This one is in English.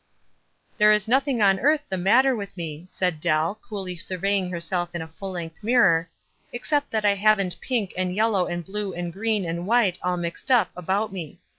"There is nothing on earth the matter with me," said Dell, coolly surveying herself in a full length mirror, "except that I haven't pink, and yellow, and blue, and green, and white s all mixed up, about me.